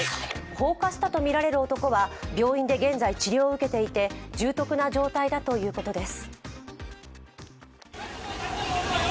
放火したとみられる男は病院で現在治療を受けていて重篤な状態だということです。